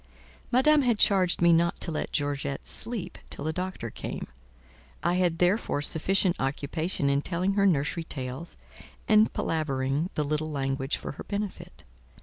Madame had charged me not to let Georgette sleep till the doctor came; I had therefore sufficient occupation in telling her nursery tales and palavering the little language for her benefit.